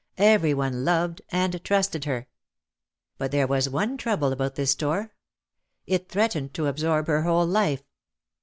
Every one loved and trusted her. OUT OF THE SHADOW 311 But there was one trouble about this store. It threat ened to absorb her whole life.